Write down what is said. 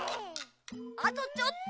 あとちょっと。